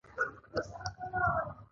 علم د کار او کسب فرصتونه زیاتوي.